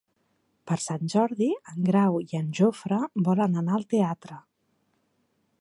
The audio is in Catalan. Per Sant Jordi en Grau i en Jofre volen anar al teatre.